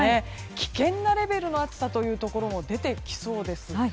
危険なレベルの暑さというところ出てきそうです。